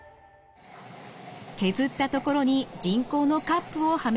削った所に人工のカップをはめ込みます。